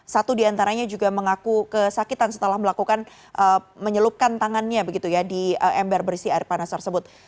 satu di antaranya juga mengaku kesakitan setelah melakukan menyelupkan tangannya di ember berisi air panas tersebut